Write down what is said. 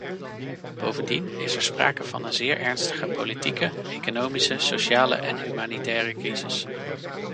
Bovendien is er sprake van een zeer ernstige politieke, economische, sociale en humanitaire crisis.